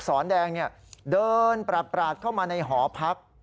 ตอนนี้ที่ลูกศรแดงเดินปราบเข้ามาในหอพัก